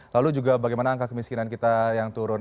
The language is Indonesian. lalu juga bagaimana angka kemiskinan kita yang turun